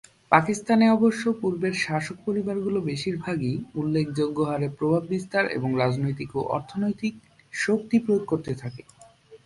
পাকিস্তানে অবশ্য পূর্বের শাসক পরিবারগুলো বেশির ভাগই উল্লেখযোগ্য হারে প্রভাব বিস্তার এবং রাজনৈতিক ও অর্থনৈতিক শক্তি প্রয়োগ করতে থাকে।